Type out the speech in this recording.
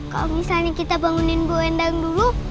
kalau misalnya kita bangunin bu endang dulu